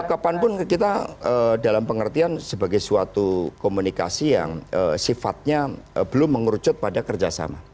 kapanpun kita dalam pengertian sebagai suatu komunikasi yang sifatnya belum mengerucut pada kerjasama